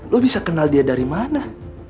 lo bisa kenal dia dari mana